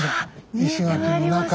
石垣の中。